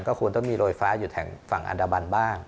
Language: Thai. ควรต้องมีโรยฟ้าอยู่แถวฝั่งอันดามันบ้าง